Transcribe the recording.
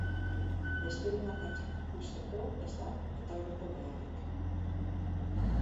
Besteren akatsak ikusteko ez da betaurreko beharrik.